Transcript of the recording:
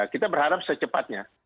kita berharap secepatnya